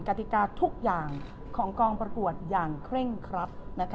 กติกาทุกอย่างของกองประกวดอย่างเคร่งครัด